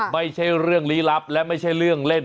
ไม่ใช่เรื่องลี้ลับและไม่ใช่เรื่องเล่น